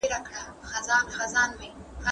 کمزوري کورنۍ دا لګښتونه نسي پوره کولای.